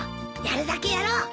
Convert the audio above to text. やるだけやろう。